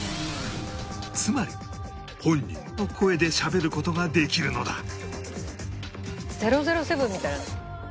つまり本人の声でしゃべる事ができるのだ